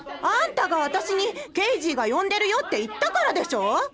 あんたが私に「ケイジーが呼んでるよ」って言ったからでしょ！